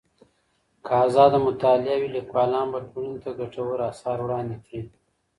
که ازاده مطالعه وي، ليکوالان به ټولني ته ګټور اثار وړاندې کړي.